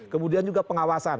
kemudian juga pengawasan